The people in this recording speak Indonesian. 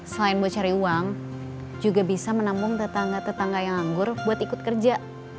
selain buat cari uang juga bisa menampung tetangga tetangga yang anggur buat ikut kerja